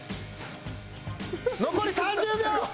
残り３０秒！